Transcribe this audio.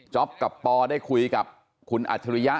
จ๊อปกับปอได้คุยกับคุณอัตธิริยะ